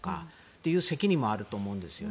そういう責任もあると思うんですよね。